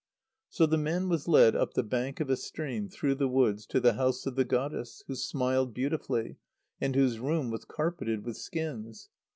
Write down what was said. So the man was led up the bank of a stream through the woods to the house of the goddess, who smiled beautifully, and whose room was carpeted with skins.